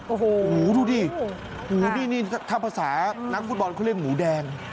โอ้โหดูดิหูนี่ถ้าภาษานักฟุตบอลเขาเรียกหมูแดง